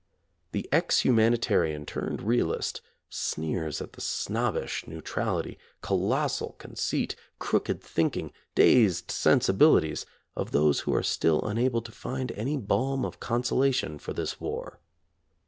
The ex humanitarian, turned realist, sneers at the snobbish neutrality, colossal conceit, crooked thinking, dazed sensibilities, of those who are still unable to find any balm of consolation for this war.